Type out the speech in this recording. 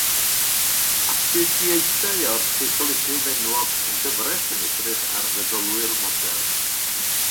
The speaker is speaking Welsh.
Astudiaethau o'r seicolegydd enwog, mewn cyfres sy'n edrych ar feddylwyr modern.